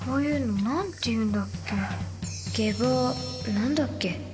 何だっけ？